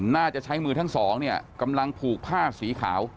น่าจะใช้มือทั้งสองเนี่ยกำลังผูกผ้าสีขาว